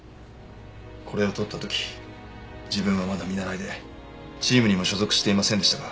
これを撮った時自分はまだ見習いでチームにも所属していませんでしたが。